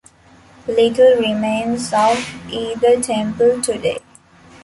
Little remains of either temple today.